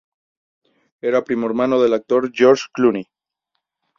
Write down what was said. Era primo hermano del actor George Clooney.